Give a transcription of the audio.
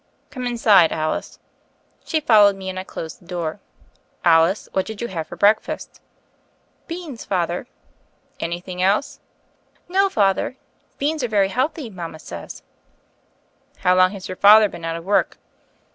"Come inside, Alice." She followed me: and I closed the door. "Alice, what did you have for breakfast?" "Beans, Father." "Anything else?" "No, Father; beans are very healthy, mama says." "How long has your father been out of work?"